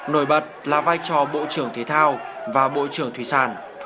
nổi bật là vai trò bộ trưởng thế thao và bộ trưởng thủy sản